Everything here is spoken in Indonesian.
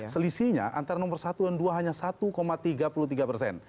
selisihnya antara nomor satu dan dua hanya satu tiga puluh tiga persen